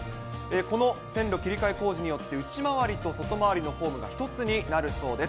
この線路切り替え工事によって、内回りと外回りのホームが一つになるそうです。